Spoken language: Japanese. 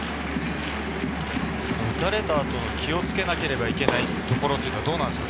打たれた後、気をつけなければいけないところはどうですか？